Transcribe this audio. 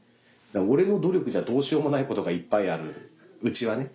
俺の努力じゃどうしようもないことがいっぱいあるうちはね